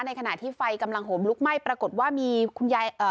ในขณะที่ไฟกำลังโหมลุกไหม้ปรากฏว่ามีคุณยายเอ่อ